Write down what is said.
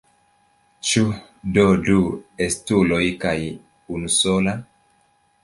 Ĉu do du estuloj kaj unusola?